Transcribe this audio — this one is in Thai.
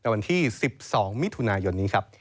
วันที่๑๒มิถุนายนนี้ครับ